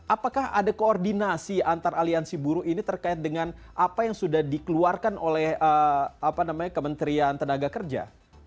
apakah ada koordinasi antar aliansi buruh ini terkait dengan apa yang sudah dikeluarkan oleh kementerian tenaga kerja